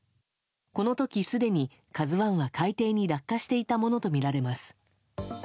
この時、すでに「ＫＡＺＵ１」は海底に落下していたものとみられます。